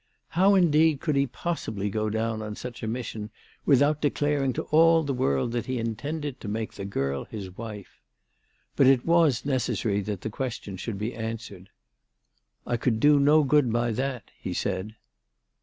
How indeed could he possibly go down on such a mission without declaring to all the world that he in tended to make the girl his wife ? But it was neces sary that the question should be answered. " I could, do no good by that/' he said.